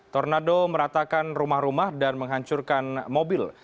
tornado meratakan rumah rumah dan menghancurkan mobil